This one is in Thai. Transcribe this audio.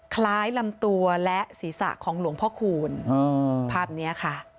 ลำตัวและศีรษะของหลวงพ่อคูณภาพนี้ค่ะ